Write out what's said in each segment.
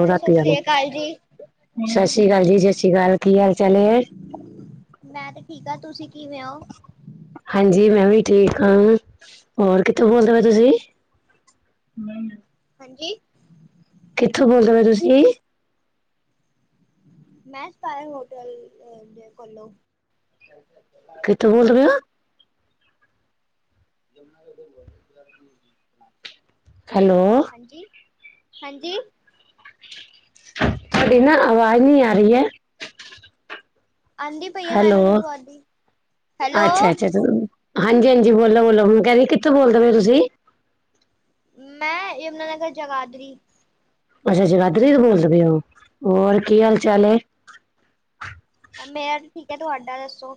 Hello ਸਤਿ ਰਾਤੀ ਵਾਲਾ, ਸ੍ਰੀ ਅਕਾਲ ਜੀ ਸਸਰੀ ਕਾਲ ਜੀ ਸਸਰੀ ਕਾਲ ਕੀ ਹਾਲ -ਚਾਲ ਏ। ਮੈਂ ਤੇ ਠੀਕ ਆ ਤੁਸੀਂ ਕਿਵੇਂ ੳ। ਹਾਂਜੀ ਮੈਂ ਵੀ ਠੀਕ ਆਲ, ਹੋਰ ਕਿੱਥੋਂ ਬੋਲਦੇ ਪਏ ੳ ਤੁਸੀਂ? [inaudible] ਹਾਂਜੀ। ਕਿੱਥੋਂ ਬੋਲਦੇ ਪਏ ੳ ਤੁਸੀਂ? ਮੈਂ ਸਪਾਰ ਹੋਟਲ ਦੇ ਕੋਲੋਂ। ਕਿਥੋਂ ਬੋਲ ਰੇ ਆ? [inaudible] ਹੈਲੋ। ਹਾਂਜੀ ‌, ਹਾਂਜੀ। ਤੁਹਾਡੀ ਨਾ ਅਵਾਜ਼ ਨੀ ਆ ਰੀ ਐ। ਆਂਦੀ ਪਈ ਹੈ ਹੈਲੋ, ਮੈਨੂੰ ਤਾਂ ਤੁਹਾਡੀ ਹੈਲੋ ਅੱਛਾ, ਅੱਛਾ ਹਾਂਜੀ -ਹਾਂਜੀ ਬੋਲੋ-ਬੋਲੋ ਹੁਣ ਕਹਿ ਰੀ ਕਿੱਥੋ ਬੋਲਦੇ ਪਏ ਓ ਤੁਸੀਂ? ਮੈਂ ਯਮਨਾਨਗਰ ਜਗਾਧਰੀ। ਅੱਛਾ ਜਗਾਦਰੀ ਤੋਂ ਬੋਲਦੇ ਪਏ ਓ ਹੋਰ ਕੀ ਹਾਲ-ਚਾਲ ਏ। ਓ ਮੈਂ ਤੇ ਠੀਕ ਐ ਤੁਹਾਡਾ ਦੱਸੋ।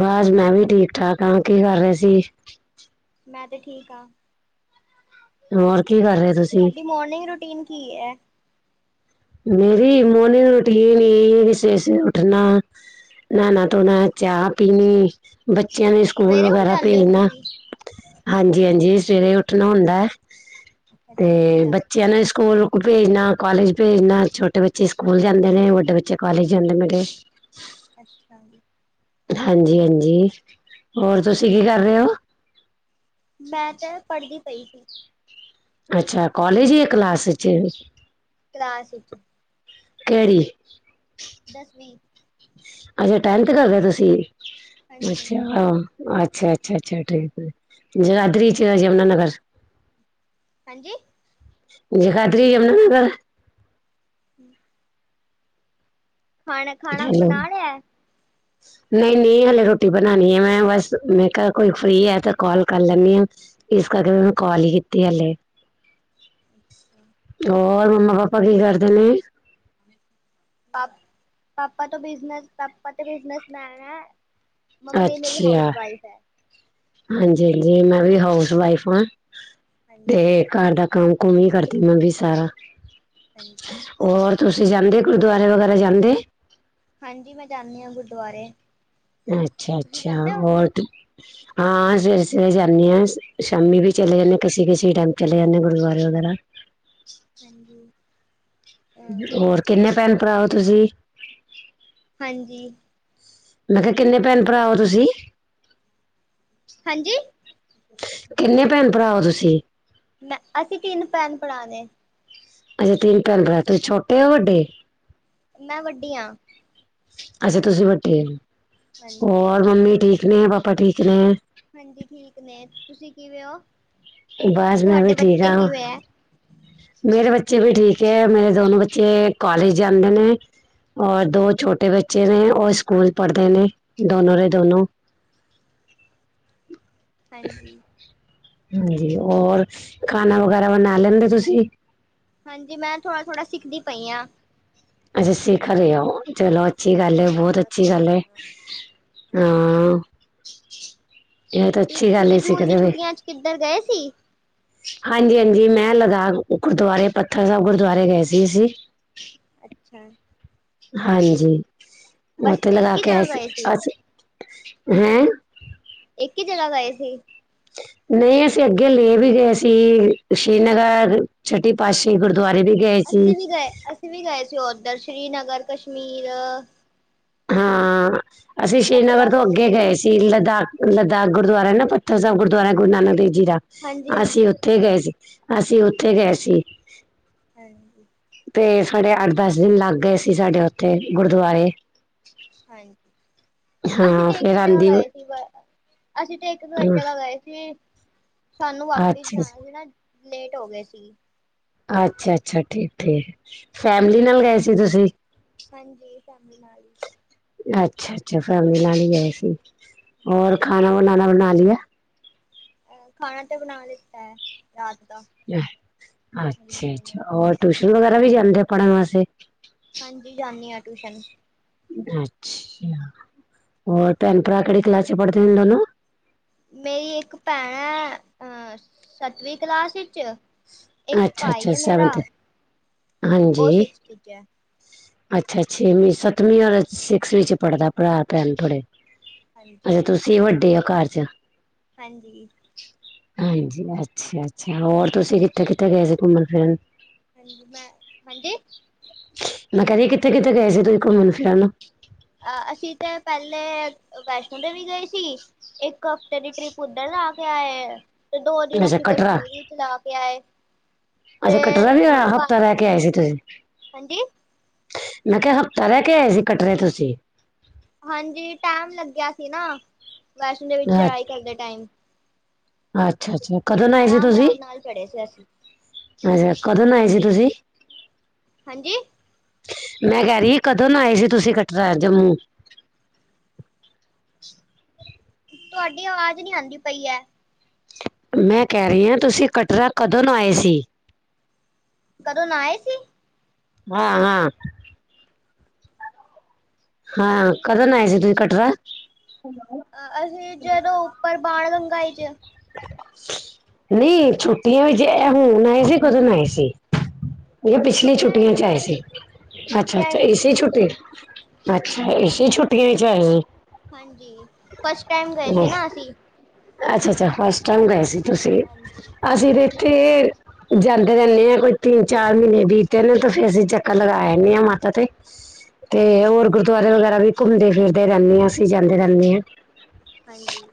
ਬਸ ਮੈਂ ਵੀ ਠੀਕ-ਠਾਕ ਆ ਕੀ ਕਰ ਰਹੇ ਸੀ? ਮੈਂ ਤੇ ਠੀਕ ਆ। ਹੋਰ ਕੀ ਕਰ ਰਹੇ ਤੁਸੀਂ? ਮੋਰਨਿੰਗ ਰੂਟੀਨ ਕੀ ਐ? ਮੇਰੀ ਮੋਰਨਿੰਗ ਰੂਟੀਨ ਇਹੀ ਆ ਸਵੇਰੇ -ਸਵੇਰੇ ਉੱਠਣਾ ਨਾਣਾ ਧੋਣਾ ਚਾਹ ਪੀਣੀ ਬੱਚਿਆਂ ਨੇ ਸਕੂਲ ਸਵੇਰੇ ਉੱਠ ਵਗੈਰਾ ਜਾਂਦੇ ਹੋ ਭੇਜਣਾ ਤੁਸੀਂ ਹਾਂਜੀ -ਹਾਂਜੀ ਸਵੇਰੇ ਉੱਠਣਾ ਹੁੰਦਾ ਐ, ਅੱਛਾ, ਜਲਦੀ ਉੱਠ ਤੇ ਜਾਂਦੇ ਬੱਚਿਆਂ ਨੇ ਸਕੂਲ ਭੇਜਣਾ, ਕਾਲਜ ਭੇਜਣਾ ਛੋਟੇ ਬੱਚੇ ਸਕੂਲ ਜਾਂਦੇ ਨੇ ਵੱਡੇ ਬੱਚੇ ਕਾਲਜ ਜਾਂਦੇ ਮੇਰੇ ਅੱਛਾ ਜੀ। ਹਾਂਜੀ-ਹਾਂਜੀ, ਹੋਰ ਤੁਸੀਂ ਕੀ ਕਰ ਰਹੇ ਹੋ? ਮੈਂ ਤੇ ਪੜ੍ਹਦੀ ਪਈ ਸੀ। ਅੱਛਾ ਕੋਲਜ ਜਾਂ ਕਲਾਸ ਵਿਚ। ਕਲਾਸ ਵਿੱਚ। ਕੇਹੜੀ? ਦਸਵੀਂ। ਅੱਛਾ ਟੈਨਥ ਕਰਦੇ ਓ ਤੁਸੀਂ, ਹਾਂਜੀ ਅੱਛਿਆ ਅੱਛਾ, ਅੱਛਾ, ਅੱਛਾ ਠੀਕ ਏ, ਜਗਾਦਰੀ ਚ ਯਮੁਨਾ ਨਗਰ ਹਾਂਜੀ। ਜਗਾਧਰੀ ਯਮੁਨਾਗਰ। ਹੂੰ। ਖਾਣਾ ਖਾਣਾ ਬਣਾ ਲਿਆ। [inaudible] ਨਈ ਨਈ, ਹਲੇ ਰੋਟੀ ਬਣਾਣੀ ਐ ਮੈਂ ਬਸ ਮੈਂ ਕਿਹਾ ਕੋਈ ਫਰੀ ਐ ਤੇ ਕੋਲ ਕਰ ਲੈਣੀ ਆ। ਇਸ ਕਰਕੇ ਮੈਂ [unintelligible] ਕੋਲ ਹੀ ਕੀਤੀ ਹਲੇ। [unintelligible] ਹੋਰ ਮੰਮਾ ਪਾਪਾ ਕੀ ਕਰਦੇ ਨੇ। ਪ ਪਾਪਾ ਤੋਂ ਬਿਜ਼ਨਸ ਪਾਪਾ ਤੋਂ ਬਿਜ਼ਨਸਮੈਨ ਐ। ਮੰਮੀ ਮੇਰੀ ਅੱਛਾ ਹਾਊਸ ਵਾਈਫ਼ ਐ। ਹਾਂਜੀ ਹਾਂਜੀ ਮੈਂ ਵੀ ਹਾਊਸ ਵਾਈਫ਼ ਆ, ਤੇ ਹਾਂਜੀ ਘਰ ਦਾ ਕੰਮ ਕੁਮ ਹੀ ਕਰਦੀ ਮੈਂ ਵੀ ਸਾਰਾ। ਹਾਂਜੀ। ਹੋਰ ਤੁਸੀਂ ਜਾਂਦੇ ਗੁਰਦੁਵਾਰੇ ਵਗੈਰਾ ਜਾਂਦੇ ਹਾਂਜੀ ਮੈਂ ਜਾਣੀ ਆ ਗੁਰਦੁਵਾਰੇ। ਅੱਛਾ ਅੱਛਾ ਹੋਰ ਹਾਂ ਸਵੇਰੇ-ਸਵੇਰੇ ਜਾਂਣੀ ਆ ਸ਼ਾਮੀ ਵੀ ਚਲੇ ਜਾਣੇ ਆ ਕਿਸੇ ਕਿਸੇ ਟੈਮ ਚਲੇ ਜਾਣੇ ਆ ਗੁਰਦਆਰੇ ਵਗੈਰਾ ਹਾਂਜੀ। ਹਮ ਹੋਰ ਕਿੰਨੇ ਭੈਨ-ਭਰਾ ਓ ਤੁਸੀਂ? ਹਾਂਜੀ। ਮੈਂ ਖਿਆ ਕਿੰਨੇ ਭੈਨ-ਭਰਾ ਓ ਤੁਸੀਂ? ਹਾਂਜੀ? ਕਿੰਨੇ ਭੈਨ ਭਰਾ ਓ ਤੁਸੀਂ? ਮੈਂ ਅਸੀਂ ਤਿੰਨ ਭੈਨ ਪੜਾ ਨੇ। ਅੱਛਾ, ਤਿੰਨ ਭੈਨ-ਭਰਾ ਤੁਸੀਂ ਛੋਟੇ ਓ ਵੱਡੇ? ਮੈਂ ਵੱਡੀ ਆਂ। ਅੱਛਾ, ਤੁਸੀਂ ਵੱਡੇ ਓ, ਹਾਂਜੀ ਹੋਰ ਮੰਮੀ ਠੀਕ ਨੇ ਪਾਪਾ ਠੀਕ ਨੇ? ਹਾਂਜੀ ਠੀਕ ਨੇ ਤੁਸੀਂ ਕਿਵੇ ਓ? ਬਸ ਮੈਂ ਵੀ ਠੀਕ ਆ। ਮੇਰੇ ਬੱਚੇ ਵੀ ਠੀਕ ਐ, ਮੇਰੇ ਦੋਨੋ ਬੱਚੇ ਕੋਲਜ ਜਾਂਦੇ ਨੇ। ਔਰ ਦੋ ਛੋਟੇ ਬੱਚੇ ਨੇ ਓ ਸਕੂਲ ਪੜਦੇ ਨੇ ਦੋਨੋ ਦੇ ਦੋਨੋ। ਹਾਂਜੀ। ਹਾਂਜੀ, ਔਰ ਖਾਨਾ ਵਗੈਰਾ ਬਨਾ ਲੈਂਦੇ ਤੁਸੀਂ? ਹਾਂਜੀ, ਮੈਂ ਥੋੜਾ-ਥੋੜਾ ਸਿੱਖਦੀ ਪਈ ਆਂ। ਅੱਛਾ, ਸਿਖ ਰਏ ਓ ਚਲੋ ਮੈਂ ਅੱਛੀ ਸਿੱਖਦੀ ਗੱਲ ਹਾਂ ਐ, ਥੋੜਾ ਬੋਤ ਥੋੜਾ ਅੱਛੀ ਖਾਣਾ ਗੱਲ ਐ। ਬਣਾਉਣਾ ਹਾਂਜੀ ਹਾਂ ਏ ਤਾਂ ਅੱਛੀ ਗੱਲ ਐ ਸਿਖਦੇ ਪਏ। ਕਿੱਦਰ ਗਏ ਸੀ? ਹਾਂਜੀ-ਹਾਂਜੀ, ਮੈਂ ਲਦਾਖ ਗੁਰਦੁਆਰੇ ਪੱਥਰ ਸਾਬ ਗੁਰਦੁਆਰੇ ਗਏ ਸੀ ਅਸੀਂ। ਅੱਛਾ। ਹਾਂਜੀ, ਬਸ ਓਥੇ ਲਗਾ ਇੱਕ ਹੀ ਕੇ ਆਏ ਜਗ੍ਹਾ ਸੀ ਗਏ ਅਸੀਂ, ਹੈਂ? ਇੱਕ ਈ ਜਗਾ ਗਏ ਸੀ। ਨਈਂ ਅਸੀਂ ਅੱਗੇ ਲੈ ਵੀ ਗਏ ਸੀ ਸ਼੍ਰੀਨਗਰ, ਛੱਟੀ ਪਾਤਸ਼ਾਹੀ ਗੁਰਦੁਆਰੇ ਵੀ ਗਏ ਸੀ ਅਸੀਂ ਵੀ ਗਏ, ਅਸੀਂ ਵੀ ਗਏ ਸੀ ਓਦਰ ਸ਼੍ਰੀਨਗਰ, ਕਸ਼ਮੀਰ ਹਾਂ, ਅਸੀਂ ਸ਼੍ਰੀਨਗਰ ਤੋਂ ਅੱਗੇ ਗਏ ਸੀ ਲਦਾਖ ਲਦਾਖ ਗੁਰਦੁਆਰਾ ਐ ਨਾ ਪੱਥਰ ਸਾਬ ਗੁਰਦੁਆਰਾ ਗੁਰੂ ਨਾਨਕ ਦੇਵ ਜੀ ਦਾ, ਹਾਂਜੀ ਅਸੀਂ ਓ ਹਾਂਜੀ ਓਥੇ ਗਏ ਸੀ, ਅਸੀਂ ਓਥੇ ਗਏ ਸੀ। ਹਾਂਜੀ। ਤੇ ਸਾਡੇ ਅੱਠ-ਦਸ ਦਿਨ ਲੱਗ ਗਏ ਸੀ ਸਾਡੇ ਓਥੇ ਗੁਰਦੁਆਰੇ। ਹਾਂਜੀ, ਅਸੀਂ ਹਾਂ ਤੇ ਇੱਕ ਫੇਰ ਜਗਾ ਆਂਦੀ ਗਏ ਸੀ ਬ ਅਸੀਂ ਤੇ ਇੱਕ ਜਗਾ ਗਏ ਸੀ ਸਾਨੂੰ ਵਾਪਿਸ ਅੱਛਾ ਜਾਣਾ ਸੀ ਨਾ ਲੇਟ ਹੋ ਗਏ ਸੀ। ਅੱਛਾ-ਅੱਛਾ ਠੀਕ-ਠੀਕ, ਫੈਮਲੀ ਨਾਲ ਗਏ ਸੀ ਤੁਸੀਂ? ਹਾਂਜੀ ਫੈਮਲੀ ਨਾਲ ਈ। ਅੱਛਾ-ਅੱਛਾ ਫੈਮਲੀ ਨਾਲ ਈ ਗਏ ਸੀ, ਹੋਰ ਖਾਨਾ-ਬਨਾਨਾ ਬਨਾ ਲੀਆ? ਐ ਖਾਣਾ ਤਾਂ ਬਣਾ ਲਿੱਤਾ ਐ ਰਾਤ। ਦਾ ਮੇਰੀ ਮੰਮੀ ਨੇ ਅੱਛਾ-ਅੱਛਾ ਔਰ ਟਿਊਸ਼ਨ ਵਗੈਰਾ ਵੀ ਜਾਂਦੇ ਓ ਪੜਨ ਵਾਸਤੇ? ਹਾਂਜੀ ਜਾਨੀ ਆ ਟੂਸ਼ਨ। ਅੱਛਿਆ, ਹੋਰ ਭੈਨ-ਭਰਾ ਕੇੜੀ ਕਲਾਸ ਚ ਪੜਦੇ ਨੇ ਦੋਨੋ? ਮੇਰੀ ਇੱਕ ਭੈਣ ਐ ਅ ਸੱਤਵੀਂ ਕਲਾਸ ਵਿੱਚ ਇੱਕ ਅੱਛਾ ਭਾਈ ਅੱਛਾ ਐ ਮੇਰਾ, ਸੈਵਨਥ ਹਾਂਜੀ ਓ ਸਿਕਸਥ ਚ ਏ। ਅੱਛਾ ਛੇਵੀਂ ਸੱਤਵੀਂ ਆਲੇ ਸਿਕਸ ਵਿਚ ਪੜਦੈ ਭਰਾ-ਭੈਨ ਥੋਡੇ। ਹਾਂਜੀ ਅੱਛਾ, ਤੁਸੀਂ ਵੱਡੇ ਓ ਘਰ ਚ। ਹਾਂਜੀ। ਹਾਂਜੀ ਅੱਛਾ- ਅੱਛਾ ਹੋਰ ਤੁਸੀ ਕਿੱਥੇ-ਕਿੱਥੇ ਗਏ ਸੀ ਘੁੰਮਨ ਫਿਰਨ? ਮੈ ਹਾਂਜੀ? ਮੈ ਕੈ ਰੀ ਕਿੱਥੇ-ਕਿੱਥੇ ਗਏ ਸੀ ਤੁਸੀ ਘੁੰਮਨ - ਫਿਰਨ? ਅ ਅਸੀ ਤੇ ਪੈਲੇ ਵੈਸ਼ਨੋ ਦੇਵੀ ਗਏ ਸੀ। ਇੱਕ ਹਫਤੇ ਦੀ ਟ੍ਰਿਪ ਉੱਧਰ ਲਾ ਕੇ ਆਏ ਐ। ਤੇ ਦੋ ਦਿਨ ਅੱਛਾ ਅਸ਼ੀ ਕਟਰਾ ਕਸ਼ਮੀਰ ਵਿੱਚ ਲਾ ਕੇ ਆਏ। ਤੇ ਅਛਾ ਕਟਰਾ ਵੀ ਆ ਪੰਜ ਹਫਤਾ ਰੈ ਕੇ ਆਏ ਸੀ ਤੁਸੀ? ਹਾਂਜੀ ਮੈਂ ਕਿਆ ਹਫ਼ਤਾ ਰੈ ਕੇ ਆਏ ਸੀ ਕੱਟਰੇ ਤੁਸੀ? ਹਾਂਜੀ ਟੈਮ ਲੱਗਿਆ ਸੀ ਨਾ ਵੈਸ਼ਨੋ ਦੇਵੀ ਚੜਾਈ ਕਰਦੇ ਟਾਈਮ। ਅੱਛਾ ਜੀ। ਆਰਾਮ-ਆਰਾਮ ਨਾਲ ਚੜੇ ਸੀ ਅਸੀ। ਅਸ਼ਾ ਕਦਨ ਆਏ ਸੀ ਤੁਸੀ? ਹਾਂਜੀ? ਮੈਂ ਕੈ ਰੀ ਆ ਕਦਨ ਆਏ ਸੀ ਤੁਸੀ ਕਟਰਾ ਜੰਮੂ? ਤੁਆਡੀ ਆਵਾਜ ਨੀ ਆਂਦੀ ਪਈ ਐ। ਮੈਂ ਕੈ ਰੀ ਆਂ ਤੁਸੀ ਕਟਰਾ ਕਦਨ ਆਏ ਸੀ? ਕਦੋ ਨਾਏ ਸੀ। ਹਾਂ, ਹਾਂ। ਹਾਂ ਕਦਨ ਆਏ ਸੀ ਤੁਹੀ ਕਟਰਾ? ਅਸੀਂ ਜਦੋਂ ਉੱਪਰ ਬਾਣ ਗੰਗਾ ਈਚ ਨਈ ਛੁੱਟੀਆਂ ਵਿੱਚ ਐ ਹੁਨ ਆਏ ਸੀ ਕਦਨ ਆਏ ਸੀ। ਇਹ ਪਿਛਲੀ ਛੁੱਟੀਆਂ ਚ ਆਏ ਸੀ ਛੁੱਟੀਆਂ ਅੱਛਾ-ਅੱਛਾ ਵਿੱਚ ਏੇਸੀ ਛੁੱਟੀ ਅੱਛਾ ਏਸੀ ਛੁੱਟੀਆਂ ਚ ਆਏ ਸੀ। ਹਾਂਜੀ, ਫਸਟ ਟੈਮ ਗਏ ਸੀ ਨਾ ਅਸੀ। ਅੱਛਾ-ਅੱਛਾ ਫਸਟ ਟਾਈਮ ਗਏ ਸੀ ਤੁਸੀ ਹਾਂਜੀ ਅਸੀ ਦਿੱਤੀ ਜਾਂਦੇ ਰੈਨੇ ਆਂ ਕੋਈ ਤਿੰਨ ਚਾਰ ਮੀਨੇ ਬੀਤਦੇ ਨੇ ਤਾ ਫੇਰ ਅਸੀ ਚੱਕਰ ਲਗਾ ਆਨੇ ਆ ਮਾਤਾ ਤੇ ਤੇ ਹਾਂਜੀ ਹੋਰ ਗੁਰਦੁਆਰੇ ਵਗੈਰਾ ਵੀ ਘੁੰਮਦੇ ਫਿਰਦੇ ਰੈਨੇ ਆ ਅਸੀ ਜਾਂਦੇ ਰੈਨੇ ਆਂ। ਹਾਂਜੀ।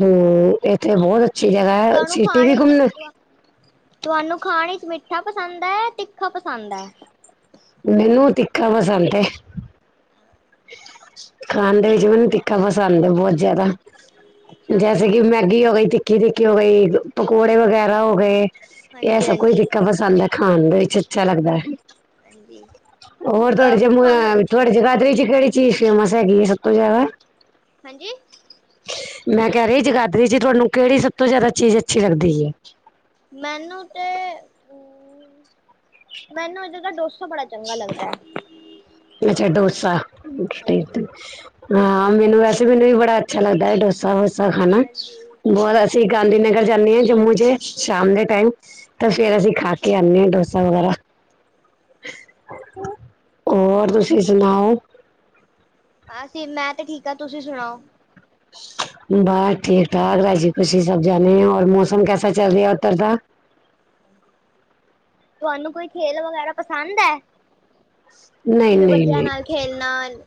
ਹੁੰ ਏਥੇ ਬੌਤ ਅੱਛੀ ਜਗ੍ਹਾ ਐ ਸਿਟੀ ਵੀ ਘੁੰਮੇ? ਤੁਆਨੂੰ ਖਾਣ ਇਚ ਮਿੱਠਾ ਪਸੰਦ ਐ ਤਿੱਖਾ ਪਸੰਦ ਐ? ਮੈਨੂੰ ਤਿੱਖਾ ਪਸੰਦ ਐ। ਖਾਨ ਦੇ ਕੀ ਵਿੱਚ ਮੈਨੂੰ ਤਿੱਖਾ ਪਸੰਦ ਐ ਬੌਤ ਜਆਦਾ। ਅੱਛਾ ਜੈਸੇ ਕਿ ਮੈਗੀ ਹੋਗੀ ਤਿ ਖੀ ਤਿੱਖੀ ਹੋ ਗਈ ਪਕੌੜੇ ਵਗੈਰਾ ਹੋ ਗਏ ਐ ਹਾਂਜੀ ਸਬ ਕੁਛ ਹਾਂਜੀ ਤਿੱਖਾ ਪਸੰਦ ਐ। ਖਾਨ ਦੇ ਵਿੱਚ ਅੱਛਾ ਲੱਗਦਾ ਐ। ਹਾਂਜੀ ਔਰ ਕੁਕ ਤੁਆਡੇ ਜੇ ਮੁਆ ਤੁਹਾਨੂੰ ਵਿ ਤੁਆਡੇ ਜਗਾਦਰੀ ਚ ਕੇੜੀ ਚੀਜ ਫੇਮਸ ਹੈਗੀ ਐ ਸਬ ਤੋ ਜਆਦਾ? ਹਾਂਜੀ? ਮੈਂ ਕੈ ਰੀ ਆ ਜਗਾਦਰੀ ਚ ਥਾਨੂੰ ਕੇੜੀ ਸਬ ਤੋ ਜਿਆਦਾ ਚੀਜ਼ ਅੱਛੀ ਲੱਗਦੀ ਏ। ਮੈਨੂੰ ਤੇ ਉਂ ਮੈਨੂੰ ਇਦਰ ਦਾ ਡੋਸਾ ਬੜਾ ਚੰਗਾ ਲੱਗਦੈ। ਅੱਛਾ ਡੋਸਾ। [unintelligible] ਹਾਂਜੀ ਆਂ ਮੈਨੂੰ ਵੈਸੇ ਮੈਨੂੰ ਵੀ ਬੜਾ ਅੱਛਾ ਲੱਗਦੈ ਡੋਸਾ -ਵੋਸਾ ਖਾਨਾ ਹਾਂਜੀ ਬੌਤ ਤੇ ਗਾਂਧੀਨਗਰ ਜਾਨੀ ਆਂ ਜੰਮੂ ਚੇ ਸ਼ਾਮ ਦੇ ਟਾਈਮ। ਤੇ ਫੇਰ ਅਸੀ ਖਾ ਕੇ ਆਨੇ ਆਂ ਡੋਸਾ ਵਗੈਰਾ। ਹੋਰ ਤੁਸੀਂ ਸੁਣਾਓ? ਆ ਸੀ, ਮੈਂ ਤੇ ਠੀਕ ਹਾਂ ਤੁਸੀਂ ਸੁਣਾਓ? ਬਸ ਠੀਕ ਠਾਕ ਰਾਜੀ ਖੁਸ਼ੀ ਸਭ ਜਾਣੇ ਔਰ ਮੌਸਮ ਕੈਸਾ ਚੱਲ ਰਿਹਾ ਉੱਧਰ ਦਾ? ਤੁਹਾਨੂੰ ਕੋਈ ਖੇਲ ਵਗੈਰਾ ਪਸੰਦ ਐ? ਨਹੀਂ ਜਿਵੇਂ ਨਹੀਂ ਬੱਚਿਆਂ ਨਾਲ ਖੇਲ ਨਾਲ?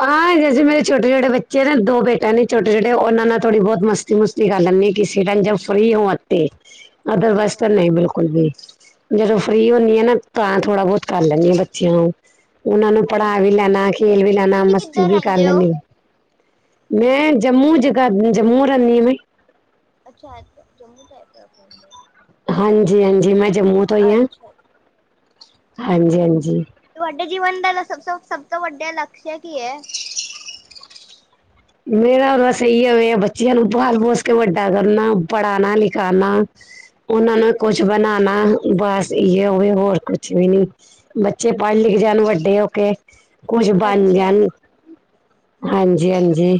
ਹਾਂ, ਜੈਸੇ ਮੇਰੇ ਛੋਟੇ ਛੋਟੇ ਬੱਚੇ ਨੇ ਦੋ ਬੇਟੇ ਨੇ ਛੋਟੇ ਛੋਟੇ ਉਹਨਾਂ ਨਾਲ ਥੋੜ੍ਹੀ ਬਹੁਤ ਮਸਤ ਤੀ ਮਸਤੀ ਕਰ ਲੈਨੇ ਕਿਸੀ ਟੈਮ ਜਬ ਫ੍ਰਰੀ ਹੋਵਾ ਤੇ, ਅਦਰਵਾਈਜ਼ ਅੱਛਾ ਤਾਂ ਨਹੀਂ ਬਿਲਕੁਲ ਵੀ। ਜਦੋਂ ਫਰੀ ਹੁੰਦੀ ਆ ਨਾ, ਤਾਂ ਥੋੜਾ ਬਹੁਤ ਕਰ ਲੈਂਦੀ ਹਾਂ ਬੱਚਿਆਂ ਨਾਲ ਉਹਨਾਂ ਨੂੰ ਹਾਂਜੀ ਪੜ੍ਹਾ ਵੀ ਲੈਣਾ, ਖੇਲ ਵੀ ਲੈਣਾ, ਤੁਸੀਂ ਮਸਤੀ ਕਿੱਧਰ ਵੀ ਕਰ ਰਹਿੰਦੇ ਹੋ ਲੈਣੀ। ਮੈਂ ਜੰਮੂ ਜਗਾਹਦੀ ਜੰਮੂ ਰਹਨੀ ਆ ਮੈਂ। ਅੱਛਾ, ਜੰਮੂ ਟਾਈਪ ਪਿੰਡ। ਹਾਂਜੀ ਹਾਂਜੀ ਮੈਂ ਜੰਮੂ ਤੋਂ ਹੀ ਹਾਂ, ਅੱਛਾ ਜੀ। ਹਾਂਜੀ ਹਾਂਜੀ। ਤੁਹਾਡੇ ਜੀਵਨ ਦਾ ਲਸਭ ਸਭ ਤੋਂ ਵੱਡਾ ਲਕਸ਼ ਕੀ ਹੈ? ਮੇਰਾ ਬਸ ਅਈ ਆ ਬੱਚਿਆਂ ਨੂੰ ਬਾਲ ਪੋਸ ਕੇ ਵੱਡਾ ਕਰਨਾ ਪੜ੍ਹਾਣਾ ਲਿਖਾਣਾ। ਉਹਨਾਂ ਨੂੰ ਅੱਛਾ ਕੁਛ ਜੀ। ਬਣਾ ਨਾ ਬਸ ਇਹੋ ਹੋਵੇ ਹੋਰ ਕੁਛ ਵੀ ਨੀ ਬੱਚੇ ਪੜ ਲਿਖ ਜਾਣ ਵੱਡੇ ਹੋ ਕੇ। ਕੁਛ ਬਣ ਅੱਛਾ ਜਾਣ ਜੀ ਹਾਂਜੀ ਹਾਂਜੀ।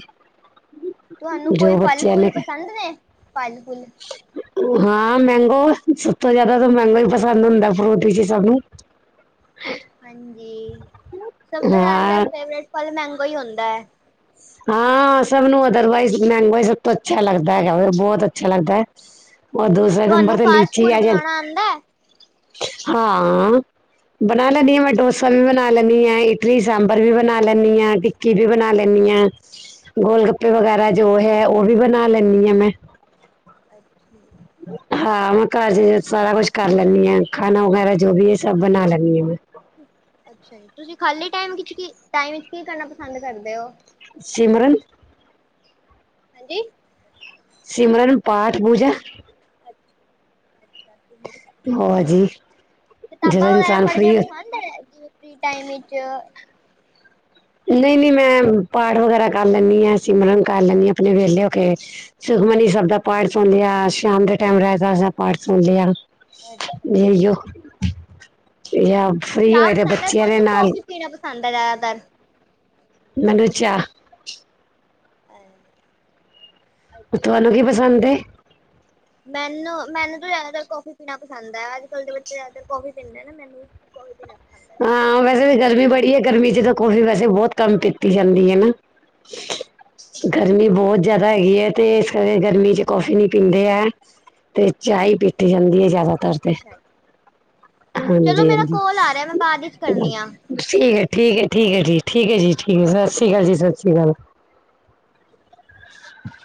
ਤੁਹਾਨੂੰ ਕੋਈ ਜੋ ਫਲ ਬੱਚਿਆਂ ਨੇ ਫੁੱਲ ਪਸੰਦ ਨੇ, ਫਲ ਫੁੱਲ? ਹਾਂ ਮੈਂਗੋ, ਸਭ ਤੋਂ ਜ਼ਿਆਦਾ ਤਾਂ ਮੈਂਗੋ ਹੀ ਪਸੰਦ ਹੁੰਦਾ ਫਰੂਟੀ ਚ ਸਭ ਨੂੰ ਹ ਹਾਂਜੀ, ਸਭ ਤੋਂ ਜ਼ਿਆਦਾ ਹਾਂ ਫੇਵਰਟ ਫਲ ਮੈਂਗੋ ਹੀ ਹੁੰਦਾ ਹੈ। ਹਾਂ, ਸਭ ਨੂੰ ਅਦਰਵਾਈਜ਼ ਮੈੰਗੋ ਹੀ ਸਭ ਤੋੰ ਅੱਛਾ ਲੱਗਦਾ ਹੈਗਾ ਬਹੁਤ ਅੱਛਾ ਲੱਗਦਾ। ਉਹ ਦੂਸਰੇ ਨੰਬਰ ਤੇ ਲੀਚੀ ਆ ਜਾ ਹੁੰਦੈ। ਹਾਂ, ਬਣਾ ਲੈਂਨੀ ਆ ਮੈਂ ਡੋਸਾ ਵੀ ਬਣਾ। ਬਣਾ ਲੈਨੀਂ ਹਾਂ ਇਟਲੀ ਸਾਂਬਰ ਵੀ ਬਣਾ ਲੈਨੀਂ ਹਾਂ ਟਿੱਕੀ ਵੀ ਬਣਾ ਲੈਨੀਂ ਹਾਂ। ਗੋਲ ਗੱਪੇ ਵਗੈਰਾ ਜੋ ਹੈ, ਉਹ ਵੀ ਬਣਾ ਲੈਂਦੀ ਆਾਂ ਮੈਂ। ਅਕੇ। ਹਾਂ ਮੈਂ ਘਰ ਚ ਸਾਰਾ ਕੁਛ ਕਰ ਲੈਨੀ ਹਾਂ ਖਾਣਾ ਵਗੈਰਾ ਜੋ ਵੀ ਹੈ ਸਭ ਬਣਾ ਲੈਨੀ ਹਾਂ ਮੈਂ। ਅੱਛਾ ਜੀ, ਤੁਸੀਂ ਖਾਲੀ ਟਾਈਮ ਵਿੱਚ ਕੀ ਟਾਈਮ ਵਿੱਚ ਕੀ ਕਰਨਾ ਪਸੰਦ ਕਰਦੇ ਹੋ? ਸਿਮਰਨ। ਹਾਂਜੀ ਸਿਮਰਨ ਪਾਠ ਪੂਜਾ। ਅੱਛ ਅੱਛਾ ਤੁਹੀਂ। ਹੋਜੀ ਜਦੋਂ ਇਨਸਾਨ ਫਰੀ ਹੋਏ। ਦਰ ਆਜਿਓ ਫਰੀ ਟਾਈਮ ਵਿੱਚ। ਨਹੀਂ ਨਹੀਂ ਮੈਂ ਪਾਠ ਵਗੈਰਾ ਕਰ ਲੈਨੀ ਹਾਂ, ਸਿਮਰਨ ਕਰ ਲੈਨੀ ਹਾਂ, ਆਪਣੇ ਵਿਹਲੇ ਹੋ ਕੇ। ਸੁਖਮਨੀ ਸਭ ਦਾ ਪਾਠ ਸੁਣ ਲਿਆ ਸ਼ਾਮ ਦੇ ਟਾਈਮ ਰਹਿਰਾਸ ਦਾ ਪਾਠ ਸੁਣ ਲਿਆ ਅੱਛਾ ਜਹੀਓ ਯ ਫ੍ਰਰੀ ਹੋਏ ਤੇ ਬੱਚਿਆਂ ਦੇ ਨਾਲ ਭੰਡ ਜਿਆਦਾਤਰ ਮੈਨੂ ਚਾਹ ਔਕੇ ਫਿਰ ਤੁਹਾਨੂੰ ਕੀ ਪਸੰਦ ਏ? ਮੈਨੂੰ ਮੈਨੂੰ ਤਾਂ ਜਿਆਦਾਤਰ ਕੋਫੀ ਪੀਣਾ ਪਸੰਦ ਹੈ ਅੱਜ ਕੱਲ੍ਹ ਦੇ ਬੱਚੇ ਜ਼ਿਆਦਾਤਰ ਕੋਫੀ ਪੀਦੇ ਨੇ ਮੈਨੂੰ ਕਾਫੀ ਪੀਣਾ ਪਸੰਦ ਹੈ ਜ਼ਿਆਦਾਤਰ ਹਾਂ ਵੈਸੇ ਵੀ ਗਰਮੀ ਬੜੀ ਹੈ ਗਰਮੀ ਚ ਤਾਂ ਕੋਫੀ ਵੈਸੇ ਬਹੁਤ ਕਮ ਪੀਤੀ ਜਾਂਦੀ ਆ ਨਾ ਹਮ ਗਰਮੀ ਬਹੁਤ ਜ਼ਿਆਦਾ ਹੈਗੀ ਹੈ ਤੇ, ਸਵੇਰੇ ਗਰਮੀ ਚ ਕੌਫੀ ਨੀ ਪੀਂਦੇ ਐ ਤੇ ਚਾਹ ਈ ਪੀਤੀ ਜਾਂਦੀ ਏ ਜ਼ਿਆਦਾ ਅੱਛਾ ਜੀ, ਚਲੋ ਹਾਂਜੀ ਮੇਰਾ ਹਾਂਜੀ ਕੋਲ ਆ ਰਿਹਾ ਮੈਂ ਬਾਦ ਇਚ ਕਰਨੀ ਆਂ ਠੀਕ ਏ ਠੀਕ ਏ ਠੀਕ ਏ ਜੀ ਠੀਕ ਏ ਜੀ ਠੀਕ ਏ ਸਤਿ ਸ੍ਰੀ ਅਕਾਲ ਜੀ ਸਤਿ ਸ੍ਰੀ ਅਕਾਲ [unintelligible]